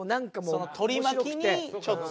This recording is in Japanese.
その取り巻きにちょっと。